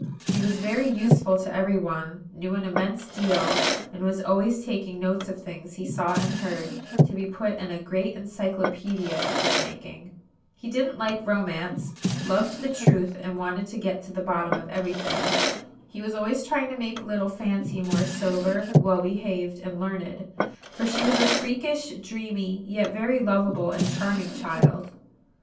He was very useful to every one; knew an immense deal; and was always taking notes of things he saw and heard, to be put in a great encyclopædia he was making. He didn't like romance, loved the truth, and wanted to get to the bottom of every thing. He was always trying to make little Fancy more sober, well behaved, and learned; for she was a freakish, dreamy, yet very lovable and charming child.